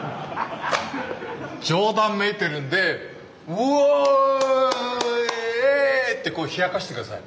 冗談めいてるんで「うお！イエイ！」って冷やかして下さい。